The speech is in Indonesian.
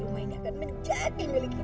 rumah ini akan menjadi milik kita